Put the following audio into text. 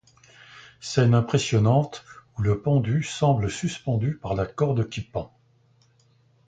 Scène impressionnante où le pendu semble suspendu par la corde qui pend.